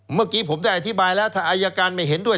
เมื่อกี้ผมได้อธิบายแล้วถ้าอายการไม่เห็นด้วย